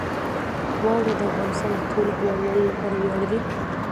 واوره د افغانستان د ټولو هیوادوالو لپاره ویاړ دی.